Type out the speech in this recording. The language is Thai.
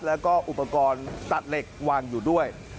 แล้วก็อุปกรณ์ตัดเหล็กวางอยู่ด้วย